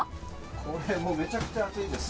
これもう、めちゃくちゃ熱いです。